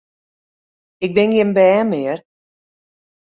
Ik bin gjin bern mear!